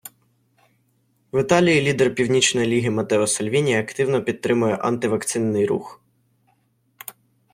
В Італії лідер Північної Ліги Матео Сальвіні активно підтримує анти-вакцинний рух.